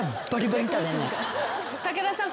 武田さん。